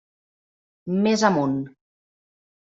Més amunt.